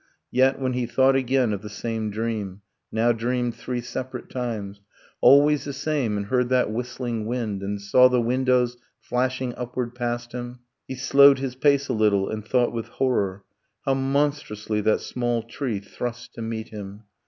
. Yet, when he thought again Of the same dream, now dreamed three separate times, Always the same, and heard that whistling wind, And saw the windows flashing upward past him, He slowed his pace a little, and thought with horror How monstrously that small tree thrust to meet him!